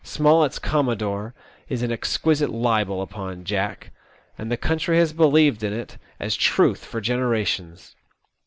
Smollett's commodore is an exquisite libel upon Jack, and the country has believed in it as truth for generations.